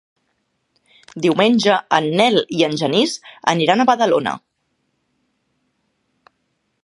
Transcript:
Diumenge en Nel i en Genís aniran a Badalona.